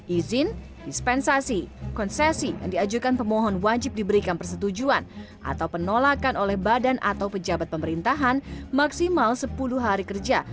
izin dispensasi konsesi yang diajukan pemohon wajib diberikan persetujuan atau penolakan oleh badan atau pejabat pemerintahan maksimal sepuluh hari kerja